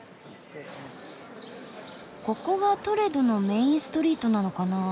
ここがトレドのメインストリートなのかな。